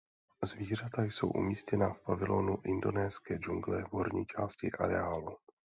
Zvířata jsou umístěna v pavilonu Indonéská džungle v horní části areálu.